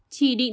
chỉ định tiêm